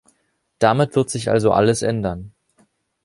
Damit wird sich also alles ändern.